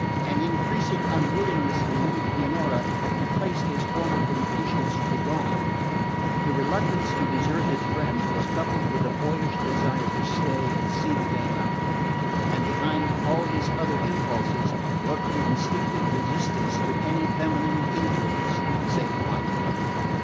An increasing unwillingness to leave Pianura had replaced his former impatience to be gone. The reluctance to desert his friends was coupled with a boyish desire to stay and see the game out; and behind all his other impulses lurked the instinctive resistance to any feminine influence save one.